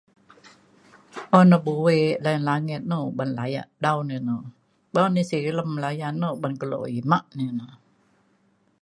un na buek layan langit ne uban layak dau ne na. buk na silem layan na uban kelo imak ne na.